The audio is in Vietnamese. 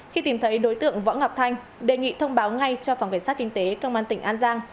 khi tìm thấy đối tượng võ ngọc thanh đề nghị thông báo ngay cho phòng kể sát kinh tế cơ quan tỉnh an giang